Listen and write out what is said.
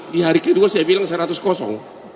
di hari kedua saya bilang seratus kosong